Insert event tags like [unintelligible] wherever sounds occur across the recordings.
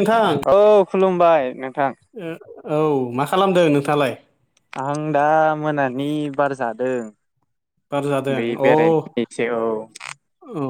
नोंथां औ खुलुमबाय नोंथां। औ मा खालामदों नोंथाङालाय? आं दा मोनानि बार जादों। बार जादों बै अ बेरायनो एसे औ।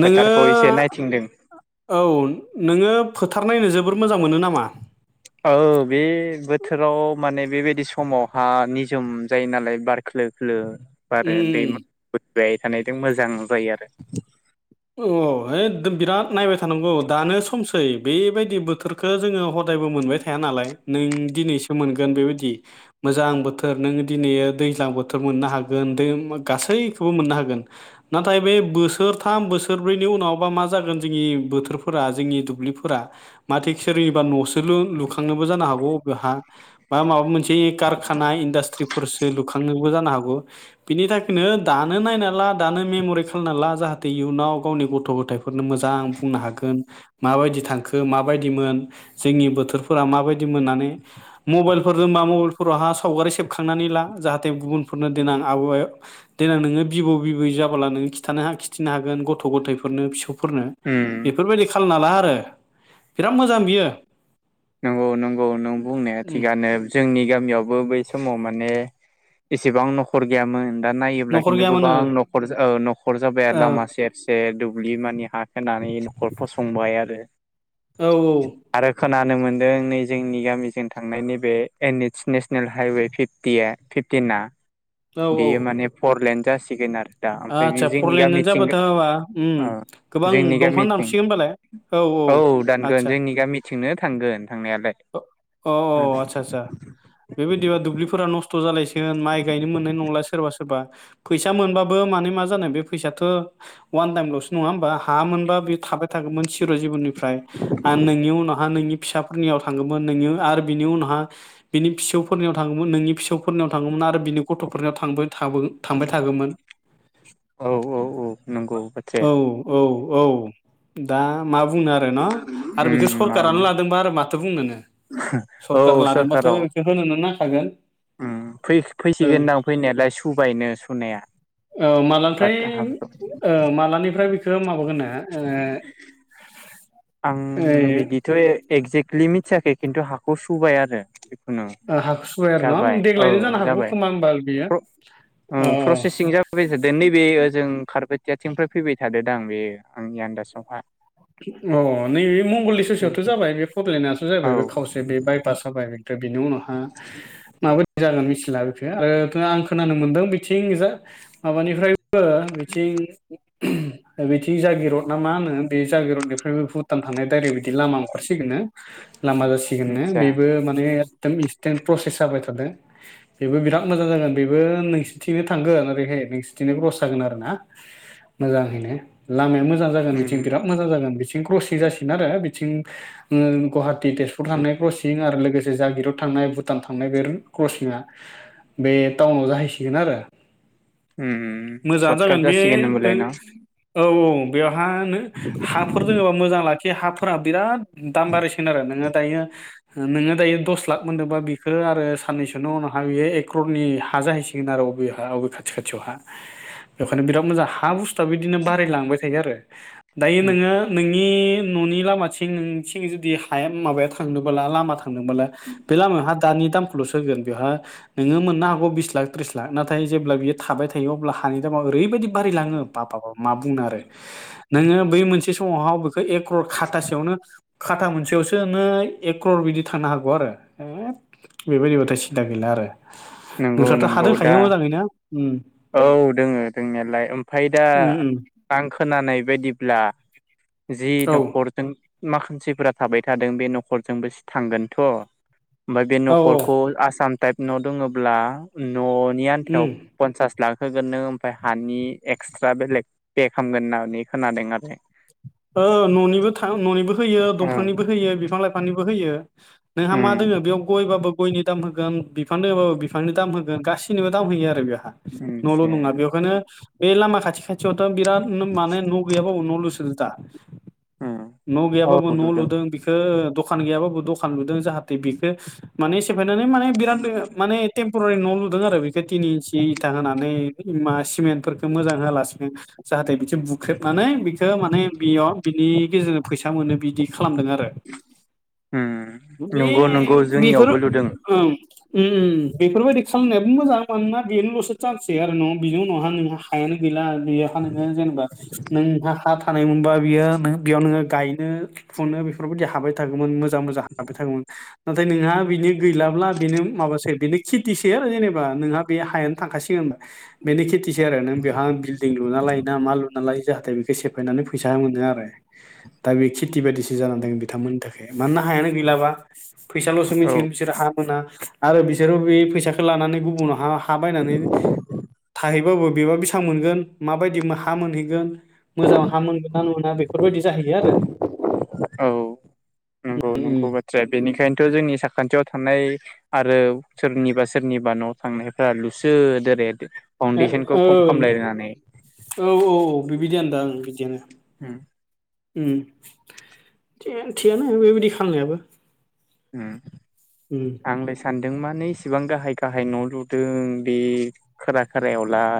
नोङो फोथारखौ एसे नायथिंदों औ नोङो फो थार नायनो जोबोर मोजां मोनो नामा? औ बे बोथोराव माने बेबाय दि समाव हा निजोम जायो नालाय बार खोलो खोलो बारो उम दैमा [unintelligible] बाय थानायजों मोजां जायो आरो। औ है दो बिराद नायबाय थानांगौ दानो सम सै बेबायदि बोथोरखो जोङो हदायबो मोनबाय थाया नालाय नों दिनैसो मोनगोन बेबायदि मोजां बोथोर नों दिनै दैज्लां बोथोर मोननो हागोन गासैखोबो मोननो हागोन। नाथाय बे बोथोर थाम बोसोरब्रैनि उनावबा मा जागोन जोंनि बोथोरफोरा जोंनि दुब्लिफोरा मा थिग सोरोङिबा न'सो लुखांनोबो जानो हागौ बबेहा बा माबा मोनसे कारखाना इन्डास्ट्रिफोरसो लुखांनोबो जानो हागौ बिनि थाखायनो दानो नायना ला दानो मेमरि खालामना ला जाहा थे इयुनाव गावनि गथ' गथाय फोरनो मोजां बुंनो हागोन माबायदि थांखो माबायदिमोन जोंनि बोथोरफोरा माबायदि मोननानै मबाइलफोर दोंबा मबाइलफोरावहा सावगारि सेबखांनानै ला जाहाथे गुबुनफोरनो देनां आबाहाया देनां नोङो बिबौ बिबै जाबोला नोङो खिथानो खि थिनो हागोन गथ' गथायफोरनो फिसौ फोरनो उम बेफोरबायदि खामना ला आरो बिराद मोजां बियो। नंगौ नंगौ नों बुंनाया उम थिगानो जोंनि गामियावबो बै समाव माने एसेबां नखर गैयामोन। दा नायोब्ला न'खर खिन्थु गैयामोन औ गोबां नखर जा नखर जाबाय लामा सेर सेर दु बुलि मानि हा होननानै न'खर फसंबाय आरो। औ आरो खोना नो मोनदों नै जोंनि गामिजों थांनाय नैबे एनिथस नेसनेल हाइवे फिफ्टिया फिफ्टिना औ औ बेयो माने फरलेन्द जासिगोन आर आदसा फरलेनानो जाबाथ [unintelligible] उम ओ गोबां जोंनि दंफां गामिथिं दानसिगोन होनबालाय औ औ आदसा। [unintelligible] थांगोन थांनायालाय अ अ' अ' आदसा सा बेबायदिबा दुब्लिफोरा नस थ' जालायसिगोन माइ गायनो मोननाय नंला सोरबा सोरबा। फैसा मोनबाबो माने मा जानो बे फैसाथ' अवान टाइमल'सो नङा होमबा हा मोनबा बेयो थाबाय थागौमोन सिर' जिबननिफ्राय आरो नोंनि उनावहा नोंनि फिसाफोरनियाव थांगौमोन नोंनियाव आरो बिनि उनावहा बिनि फिसौ फोरनियाव थांगौमोन नोंनि फिसौफोरनियाव थांगौमोन आरो बिनि गथ'फोरनियाव थांबाय थाबो थांबाय थागौमोन। औ औ औ नंगौ औ बाथ्राया औ औ उम दा मा बुंनो आरो न' आरो बेखौ उम सरखारानो माबानो लादोंबा आरो माथो बुंनोनो सरखार औ लादोंबाथ' सरखाराव इखौ होनोनो नां थागोन। उम फै-फैसिगोनदां फैनायालाय सुबायनो सुनाया औ बाथ हाखौ निफ्राय बिखौ माव [unintelligible] ओ आं ओइ बिदिथ' ए एक्जेकलि मिथियाखै खिन्थु हाखौ सुबाय आरो। ओङो हाखु सुबाय आरो जाबाय न औ देग्लायनो जानो हागौ जाबाय खोमा होमबा बियो फ्र अ ओं फ्रसेसिं जाबाय थादो नैबे ओजों खारबाय देथिंफ्राय फैबाय थादो दां बेयो आंनि आन्दाजावहा अ' नैबे मंगलदै ससेयावथ बिदि जाबाय बे फटलेणडआथ औ जाबाय बे खावसे बे बायपास जाबाय बेनि उनावहा माबायदि जागोन मिथि लाबथो आरो थो आं खोनानो मोनदों बिथिं जा माबानिफ्राय ओ मिथिं बिथिं जागिरद ना मा होनो? बे जागिरड बेफोर भुटान थांनाय डायरेक बिदि लामा ओंखरसिगोननो लामा जासिगोननो आतसा बेबो माने एदम इस थें प्रसेस जाबाय थादों। बेबो बिराद मोजां जागोन बेबो नोंसिनिथिंनो थांगोन आरोरैहाय नोंसिथिंनो क्रस जागोन आरो ना मोजाङैनो। लामाया मोजां जागोन बिथि थिं बिराद मोजां जागोन बिसिं क्रसिं जासिनो आरो सिं ओङो गुवाहाट थि तेजपुर थांनाय क्रसिं आरो लोगोस जागिरथ थांनाय भुटान थांनाय बे क्रसिंआ बे टाउनाव जाहैसिगोन आरो। मोजाङानो सर्टकाट जागोन बे जासिगोन होनबालाय न [inaudible] ओ औ औ। बेवहा हाफोर दङोबा मोजां लाखि बे हाफोरा बिराद दाम बारायसिगोन आरो नोङो दायो नोङो दायो दस लाख मोनदोंबा बिफोरो आरो साननैसोन उनावहा बियो एक्ररनि हा जाहैसिगोन आर' बबेयाव बबे खाथि खाथियावहा बेखायनो बिराद मोजां हा बुस फा बिदिनो बारायलांबाय थायो आरो। दायो नोङो नों बे न'नि लामाथिं नोंथिं जुदि हाया माबायाव थांनोबोला लामा थां नोबोला बे लामा हा दानि दामखौल'सो होगोन बेवहाय नोङो मोननो हागौ बिस लाख त्रिस लाख नाथाय जेब्ला बियो थाबाय थायो अब्ला हानि दामा ओरैबायदि बारायलाङो बाबा बाप मा बुंनो आरो। नोङो बै मोनसे समावहाव ओ है एक्रर खातासेयावनो खाथा मोनसेयावसो नो- एक क्रर बिदि थांनो हागौ [inaudible] बेबायदिबथाय सिन्था गैला आरो। नंगौ नोंस्राथ' हा नंगौ दा दोंखायो मोजाङैनो। उम औ दोङो दोंनायालाय ओमफ्राय दा उम उम आं खोनानाय बायदि ला जि औ नखरजों माखासेफोरा थाबाय थादों बे नखरजोंबो थांगोनथ'। ओमफ्राय बे औ नखरखौ आसाम टाइप न' दङोब्ला न'नि आन्थायाव उम पन्सास लाक होगोन नों ओमफ्राय हानि एक्सट्रा बेलेग पे खालामगोन होननानै खोनादों आरो। ओ न'निबो था ननिबो होयो आरो दंफांनिबो होयो बिफां लाइ फांनिबो होयो। नोंहा उम मा दोङो बेयाव गयबाबो गयनि दाम होगोन बिफांनो होबाबो बिफांनि दाम होगोन गाससिनिबो दाम होयो आरो बेयो। न'ल' मोनसे नङा बेखायनो बे लामा [unintelligible] खाथियावथ' बिराद माने न' गैयाबा न' लुसोदों। ब उम [inaudible] न' गैयाबाबो न' लुदों बेखौ दख दखान गैयाबाबो दखान लुदों जाहाथे बेखौ माने सेफायनानै माने बिराद माने टेम्परारि न लुदों आरो बेखौ थिनि इन्सि इथा होनानै मा सिमेद फोर बेखौ मोजां होआलासिनो जाहाथे बिखौ बुख्रेबनानै बिखौ माने बिनि गेजेरजों फैसा फैसा मोनो बिदि खालामदों आरो उम बे नंगौ नंगौ बेफोर जोंनियावबो लुदों ओं ओम बेफोरबायदि खालामनायाबो मोजां मानोना बेनोलसो जानसै आरो न बिनि उनावहा नोंहा हायानो गैला गै नोङो जेनेबा नोंहा हा था मोनबा बियो बेयावनो गायनो फुनो बेफोरबायदि हाबाय थागौ मोन मोजां मोजां हाबबाय थागोमोन नाथाय नोंहा बिनि गैलाब्ला बेनो माबासै बे खेथि बे आरो जेनेबा नोंहा बे हायानो थांखासिगोन होनबा बेनि खिथि बिस आरो नों बेहा बिल्डिं लुनालाय ना लुनानैाय जाहाथे बेखौ सेब‌ फायनानै फैसा मोनो आरो दा बे खेथि बादिसो जानानै थाङो बिथांमोननि थाखाय माना हायानो गैलाबा फैसालसो औ मिथिगोन बिसोर हा मोना आरो बिसोरो बे फैसाखौ लानानै गुबुनावहा थाबायनानै थाहै बाबो बेसां मोनगोन माबायदि माहा मोनहैगोन मोजां हामोनगोनना मोना बे औ नंगौ नंगौ बाथ्राया बेनिखायनो थ जोंनि साखान्थियाव थानाय आरो सोरनिबा सोरनिबा नआव थांनायफोरा लुसो दर औ औ औ बिबायदियनोदां बिदियनो उम ओम थियानो बेबायदि खालामनायाबो उम आंलाय सान दों माने इसिबां गाहाय गाहाय न लुदों बे खोलाफारायावलाय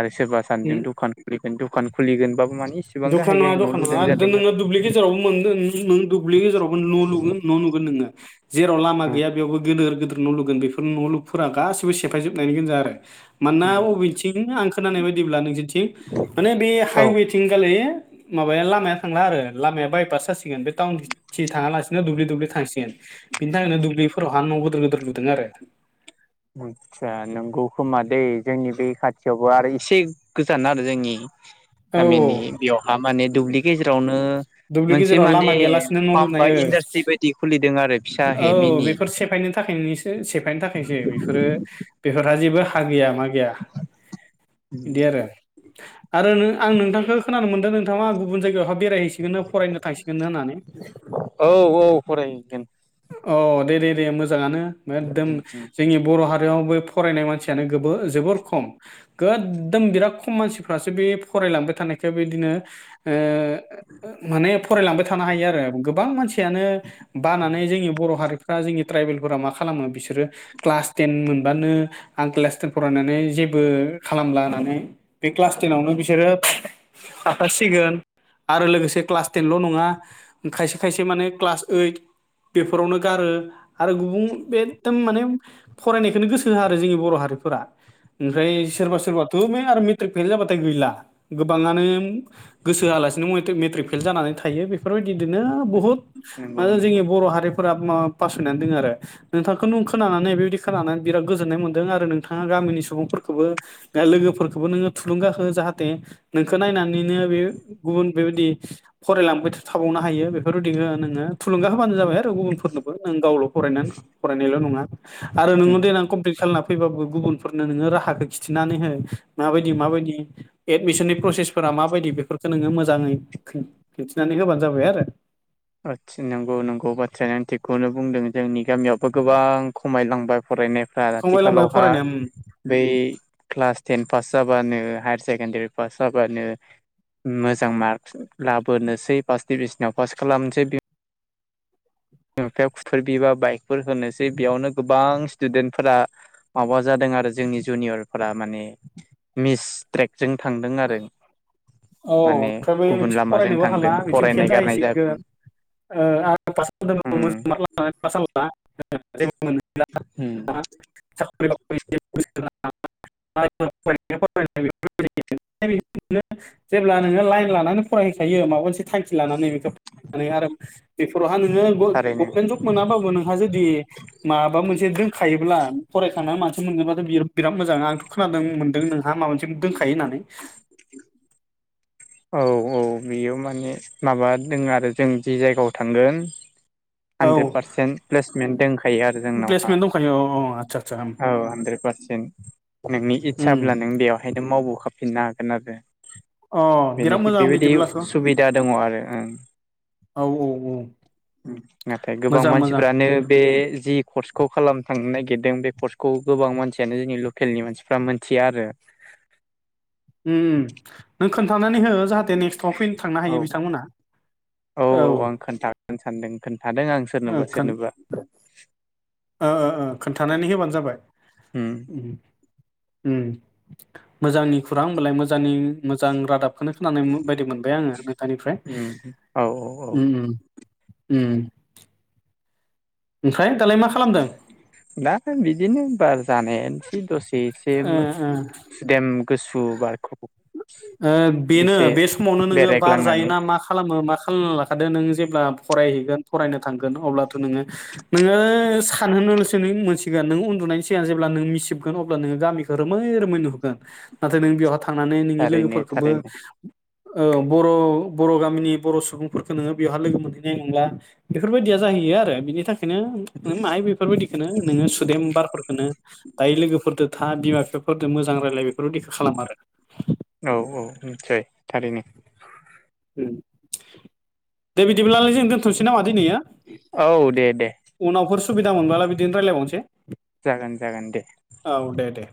आरो सोरबा उम सान्दों दखान खुलि दखान खुलिगोनबाबो माने इसेबां दखान गाहाय नङा गाहाय न' दखान लुदों नङा जादों नोङो दुब्लि गेजेरावबो मोनदों [unintelligible] दुब्लि गेजेरावबो न' लुगोन न' नुगोन नोङो जेराव लामा आरो गैया बेयावबो गोदेर गेदेर न' लुगोन बेफोर न' लुगफोरा गासिबो सेफायजोबनायनि गोनजा आरो मानोना अबेथिं आं खोनानाय बायदिब्ला नोंसोरथिं माने बे औ हाइवे [unintelligible] माबाया लामाया थांला आरो लामाया बायपाससि [unintelligible] बे टाउन थि थाङालासि नो दुब्लि दुब्लि थांसिगोन। बिनि थाखायनो दुब्लिफोरावहा न' गोदोर लुदों आरो आतसा नंगौ खोमादे जोंनि बे खाथि थेवबो आरो इसे गोजान आरो जोंनि औ गामिनि बेयावहा माने दुब्लि गेजेरावनो दुब्लि मोनसे गेजेराव लामा माने गैयालासिनो न' फार्म लुनाय बा ओ इन्डास्ट्रि बायदि खुलिदों आरो फिसा हे औ मिनि बेफोर सेफायनो थाखायनिसो सेफायनो थाखायसो बेफोरो बेफोर जेबो हा गैया मा गैया बिदि आरो आरो नों आं नोंथांखो खोनानो मोनदों नोंथाङा आं गुबुन जायगायावहाय बेराय [unintelligible] औ औ फरायहैगोन। अ दे दे दे मोजाङानो। एकदम जोंनि बर' हारि आव बे फरायनाय मानसियानो गोबो जोबोर खम गोददम बिराद खम मानसिफ्रासो बे फरायलांबाय थानायखो बिदिनो ओ माने फरायलांबाय थानो हायो आरो गोबां मानसियानो बानानै जोंनि बर' हारिफ्रा जोंनि ट्राइबेलफोरा मा खालामो बिसोरो क्लास टेन मोनबानो आं क्लास टेन फरायनानै जेबो खालामला होननानै बे क्लास टेनावनो बिसोरो थाबथासिगोन आरो लोगोसे थे ख्लास टेनल' नङा खायसे खायसे माने क्लास ओइड बेफोरावनो गारो आरो गुबुं एकदम माने फरायनायखोनो गोसो होआ आरो जोंनि बर' हारिफोरा ओमफ्राय सोरबा सोरबाथ आरो मेट्रिक फेल जाबाथ गैला गोबांङानो गोसो होआ लासिनो मइट्रिक मेट्रिक फेल जानानै थायो बेफोरबायदिदोनो बहुद नंगौ माने नंगौ जोंनि बर' हारि फोराबो माबा फासायनानै दोङो आरो नोंथांखौ नों खोनानानै बेबायदि खोनानानै बिराद गोजोननाय मोन्दों आरो नोंथाङा गामिनि सुबुंफोरखोबो लोगोफोरखोबो नोङो थुलुंगा हो जाहाथे नोंखो नायनानै बिदिनो बेयो गुबुन बेबायदि । फरायलांबायथ' थाबावनो हायो बेफोरबायदिखो नोङो थुलुंगा हो होबानो जाबाय आरो गुबुनफोरनोबो नों गावल' फरायनानै फरायनायल' नङा। आरो नोङो देनां कमप्लिट खालाम फैबाबो गुबुनफोरनो नोङो राहाखौ खिथिनानै हो माबायदि माबायदि एडमिसननि प्रसेसफोरा माबायदि बेफोरखो नोङो मोजाङै [unintelligible] खिन्थिनानै होबानो जाबाय आरो ओथस नोंगौ नोंगौ बाथ्राया नों थिगखौनो बुंदों जोंनि गामियावबो गोबां खमायलांबाय फरायनाय [unintelligible] आरो थांबाय लांबाय आथिखालावहा फरायनाया बै क्लास टेन फास जाबानो हायार सेकेण्डारि फास जाबानो उम मोजां मार्कस लाबोनोसै फर्स्ट डिभिजनाव फास खालामसै बे बिमा बिफाया खुफोर बिबा बाइकफोर होनोसै बेयावनो गोबां स्टुदेन्टफोरा माबा जादों आरो जोंनि जुनियरफोरा माने मिस ट्रेक औ माने ओमफ्राय बै गुबुन थि लामाजों फरायनोबो हाला थांदों बिथिं फेल फरायनाय गारनाय जादों जाहैसिगोन ओ आं फास जादों उम उम [inaudible] [inaudible] [inaudible] [inaudible] [inaudible] जेब्ला नोङो लाइन लानानै फरायहोखायो माबा मोनसे थांखि लानानै बेखो माने आरो बेफोरावहा नोङो थारैनो ग-गभमेन्ट जब मोनाबाबो नोंहा जुदि माबा मोनसे दों खायोब्ला फरायखाना माथो मोनदोंबाथ' बिर-बिराद मोजां आंथ' खोनादों मोनदों नोंहा माबा मोनसे दोंखा खायो होननानै औ औ बेयो माने माबा दोङो आरो जों जि जायगायाव थांगोन औ हानड्रेड पारसेन्ट प्लेसमेन्ट दोनखायो आरो जोंनावहा प्लेसमेन्ट दंखायो औ औ आदसा आदसा औ हानड्रेड पारसेन्ट नोंनि इस्साब्ला नों बेवहायनो मावबोखाब फिननो हागोन आरो अ बिराद बेनोखि मोजां बेबायदि बिदिब्लाथ' औ सुबिदा दङो आरो ओं। औ औ औ। उम नाथाय गोबां मानसिफ्रानो बे जि कर्स खौ खालाम थांनो नागिरदों बे कर्सखौ गोबां मानसियानो जोंनि लकेलनि मानसिफ्रा मोनथिया आरो। उम उम नों खोन थानानै हो जाहाथे नेक्स्टआव फैनो थांनो औ हायो बिथांमोना। औ औ आं खोन्थागोन सानदों खोनथादों आं सोरनोबा खोन सोरनोबा। ओ ओ ओ खोन्थानानै होबानो जाबाय उम उम मोजांनि खौरां होनबालाय मोजांनि मोजां रादाब। बेखौनो खोनानाय बायदि मोनबाय आङो नोंथांनिफ्राय उम औ औ औ उम उम। उम ओमफ्राय दालाय मा खालामदों दा बिदिनो बार जानाय। एसे दसे एसे ओ ओ सुदेम गुसु बारखौ ओ बेनो एसे बे समावनो नोङो बार बेरायग्लांनानै जायोना मा खालामो मा खालना लाखादो नों जेब्ला फरायहैगोन फरायनो थांगोन अब्लाथ' नोङो नोङो सानहोरनोल'सो नों मोनसिगोन नों उन्दुनायनि सिगां जेब्ला नों मिसिबगोन अब्ला नोङो गामिखौ रोमै रोमै नुहरगोन। नों बेवहाय थांनानै नोंनि थारैनो लोगोफोरखौबो थारैनो ओ बर' बर' गामिनि बर' सुबुंफोरखौ नोङो बेवहाय लोगो मोनहैनाय नंला बेफोरबायदिया जाहैयो आरो बिनि थाखाय बेखायनो माय बेफोरबायदिखौनो नोङो सुदेम बारफोरखौनो दायो लोगोफोरदो था बिमा बिफाफोरजों मोजां रायलाय रुतिखौ खालाम आरो। औ औ निसय थारैनो । उम दे बिदिब्लाब्लालाय जों दोनथ'नोसै नामा दिनैयो औ दे दे उनावफोर सुबिदा मोनबोला बिदि रायलायबावनोसै । जागोन जागोन दे। दे दे